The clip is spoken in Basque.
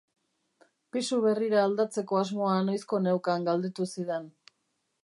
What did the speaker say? Pisu berrira aldatzeko asmoa noizko neukan galdetu zidan.